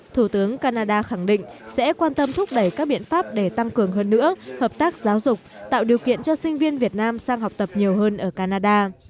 thủ tướng canada khẳng định sẽ quan tâm thúc đẩy các biện pháp để tăng cường hơn nữa hợp tác giáo dục tạo điều kiện cho sinh viên việt nam sang học tập nhiều hơn ở canada